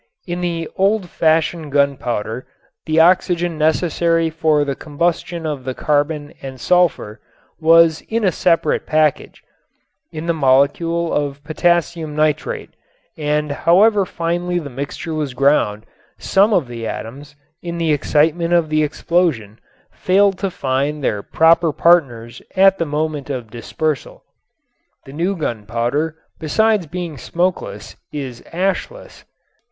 In the old fashioned gunpowder the oxygen necessary for the combustion of the carbon and sulfur was in a separate package, in the molecule of potassium nitrate, and however finely the mixture was ground, some of the atoms, in the excitement of the explosion, failed to find their proper partners at the moment of dispersal. The new gunpowder besides being smokeless is ashless.